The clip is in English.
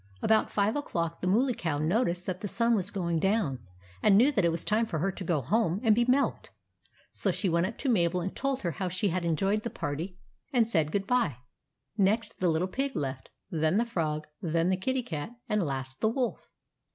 About five o'clock the Mooly Cow noticed that the sun was going down, and knew that it was time for her to go home and be milked. So she went up to Mabel, and told her how she had enjoyed the party, THE ANIMAL PARTY 131 and said good bye. Next the Little Pig left, then the Frog, then the Kitty Cat, and last the Wolf.